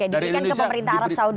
diberikan ke pemerintah arab saudi